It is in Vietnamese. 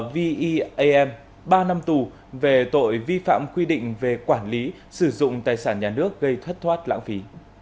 v e a m ba năm tù về tội vi phạm quy định về quản lý sử dụng tài sản nhà nước gây thất thoát lãng phí